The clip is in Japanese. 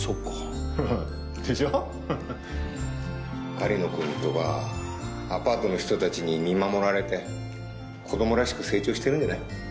狩野くんとかアパートの人たちに見守られて子供らしく成長してるんじゃない？